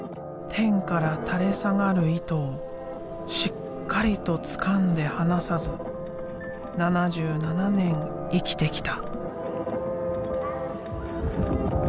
天から垂れ下がる糸をしっかりとつかんで離さず７７年生きてきた。